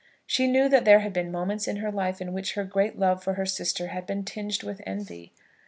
She knew that there had been moments in her life in which her great love for her sister had been tinged with envy.